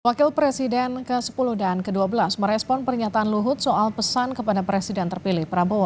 wakil presiden ke sepuluh dan ke dua belas merespon pernyataan luhut soal pesan kepada presiden terpilih prabowo